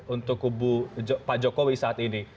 untuk kubu pak jokowi saat ini